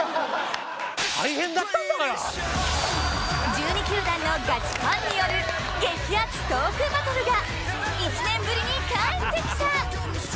１２球団のガチファンによる激熱トークバトルが１年ぶりに帰ってきた！